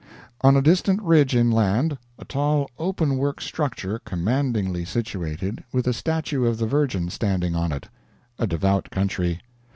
On a distant ridge inland, a tall openwork structure commandingly situated, with a statue of the Virgin standing on it. A devout country.